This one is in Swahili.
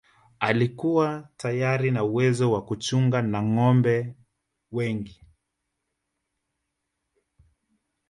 Alikuwa tayari ana uwezo wa kuchunga nâgombe wengi